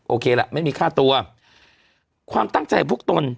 โอเคล่ะไม่มีค่าตัวความตั้งใจของพวกตน